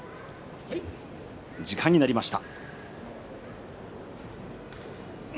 時間になりました。